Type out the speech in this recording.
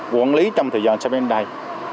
quản lý trong thời gian sắp đến đây